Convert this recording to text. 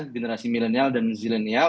generasi milenial dan zilenial